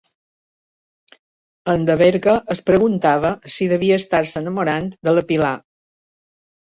En Deberga es preguntava si devia estar-se enamorant de la Pilar.